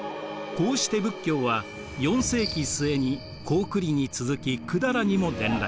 こうして仏教は４世紀末に高句麗に続き百済にも伝来。